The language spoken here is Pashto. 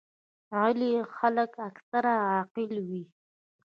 غلي خلک اکثره عاقل وي.